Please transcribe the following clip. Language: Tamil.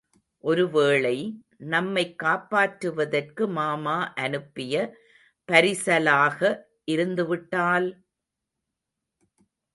ஒருவேளை நம்மைக் காப்பாற்றுவதற்கு மாமா அனுப்பிய பரிசலாக இருந்துவிட்டால்...........?